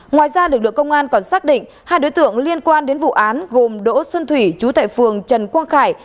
ngoài ra lực lượng công an còn xác định hai đối tượng liên quan đến vụ án gồm đỗ xuân thủy chú tại phường trần quang khải